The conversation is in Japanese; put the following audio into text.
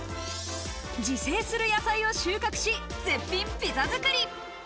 自生する野菜を収穫し、絶品ピザ作り。